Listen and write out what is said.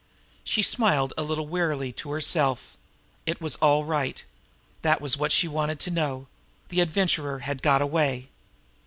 She smiled a little wearily to herself. It was all right. That was what she wanted to know. The Adventurer had got away.